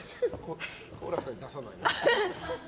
好楽さんに出さないね。